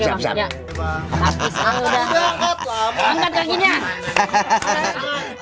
tati selalu dah